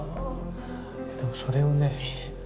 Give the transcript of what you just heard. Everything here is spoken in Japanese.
でもそれをね